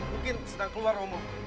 mungkin sedang keluar romo